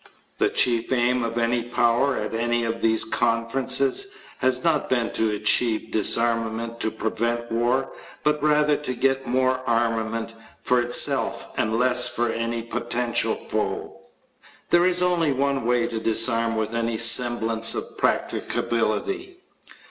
The chief aim of any power at any of these conferences has not been to achieve disarmament to prevent war but rather to get more armament for itself and less for any potential foe. There is only one way to disarm with any semblance of practicability.